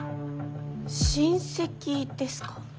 親戚ですか？